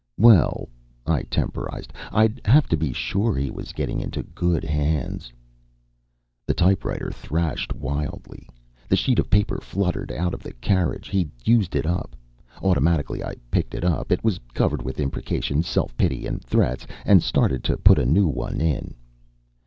"Well," I temporized, "I'd have to be sure he was getting into good hands " The typewriter thrashed wildly. The sheet of paper fluttered out of the carriage. He'd used it up. Automatically I picked it up it was covered with imprecations, self pity and threats and started to put a new one in.